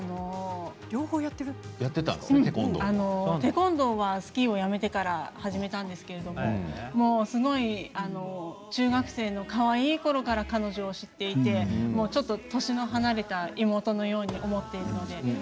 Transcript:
テコンドーはスキーをやめてから始めたんですけれども、すごい中学生のかわいいころから彼女を知っていてちょっと、年の離れた妹のように思っているので。